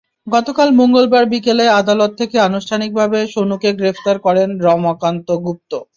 গতকাল মঙ্গলবার বিকেলে আদালত থেকে আনুষ্ঠানিকভাবে সনুকে গ্রহণ করেন রমাকান্ত গুপ্ত।